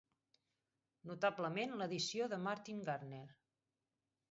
Notablement l'edició de Martin Gardner.